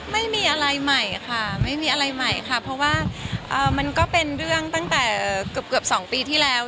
ไม่มีอะไรใหม่ค่ะไม่มีอะไรใหม่ค่ะเพราะว่ามันก็เป็นเรื่องตั้งแต่เกือบ๒ปีที่แล้ว